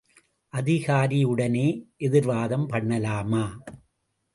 அதிகாரியுடனே எதிர்வாதம் பண்ணலாமா?